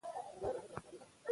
ـ له يوه لاسه ټک نخيژي.